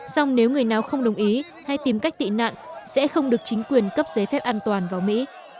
song nếu người nào không đồng ý hay tìm cách tị nạn sẽ không được chính quyền cấp giấy phép an toàn vào mỹ